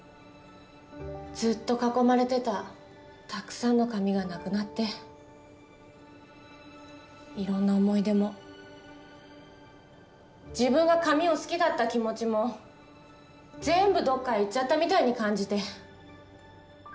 ずっと囲まれてたたくさんの紙がなくなっていろんな思い出も自分が紙を好きだった気持ちも全部どっかへ行っちゃったみたいに感じて。